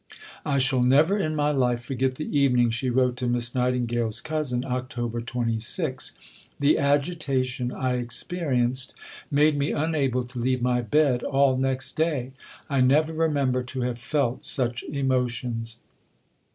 "I shall never in my life forget the evening," she wrote to Miss Nightingale's cousin (Oct. 26); "the agitation I experienced made me unable to leave my bed all next day. I never remember to have felt such emotions.